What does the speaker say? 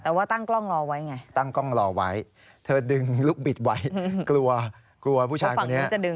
แต่ว่าตั้งกล้องรอไว้ไง